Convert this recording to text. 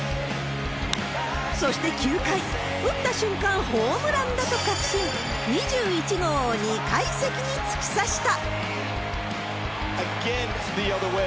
そして９回、打った瞬間、ホームランだと確信、２１号を２階席に突き刺した。